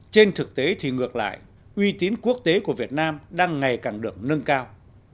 trên thực tế thì ngược lại uy tín quốc tế của việt nam đang ngày càng được nâng cao